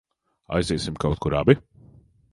Aiziesim kaut kur abi?